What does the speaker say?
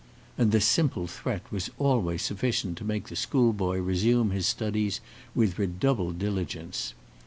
And this simple threat was always sufficient to make the school boy resume his studies with redoubled diligence.